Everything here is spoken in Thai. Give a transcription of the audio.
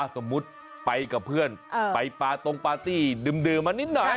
สมมุติไปกับเพื่อนไปปาตรงปาร์ตี้ดื่มมานิดหน่อย